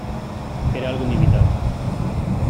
Era algo inevitable".